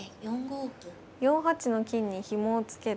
４八の金にひもを付けて。